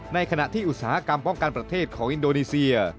ในขณะที่อุตสาหกรรมป้องกันประเทศของอินโดนีเซีย